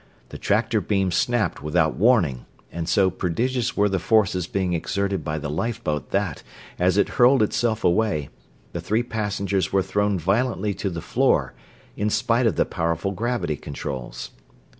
The tractor beam snapped without warning, and so prodigious were the forces being exerted by the lifeboat that, as it hurled itself away, the three passengers were thrown violently to the floor, in spite of the powerful gravity controls.